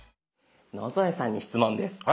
野添さんに質問です。